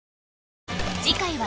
次回は